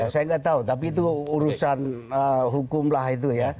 saya tidak tahu tapi itu urusan hukumlah itu ya